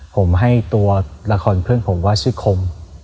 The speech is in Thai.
ผมให้ตัวละครเพื่อนผมว่าชื่อคม